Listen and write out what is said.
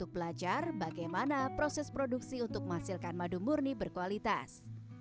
belajar bagaimana proses produksi untuk menghasilkan madu murni berkualitas